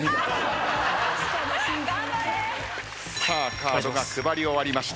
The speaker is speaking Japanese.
カードが配り終わりました。